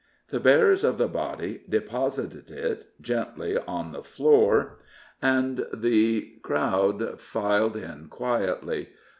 The bearers of the body deposited it gently on the floor, and the crowd filed in quietly.